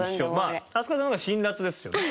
飛鳥さんの方が辛辣ですよね。